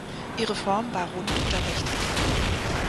Ihre Form war rund oder rechteckig.